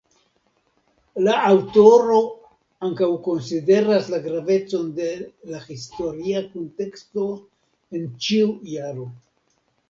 La aŭtoro ankaŭ konsideras la gravecon de la historia kunteksto en ĉiu jaro.